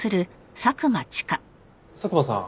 佐久間さん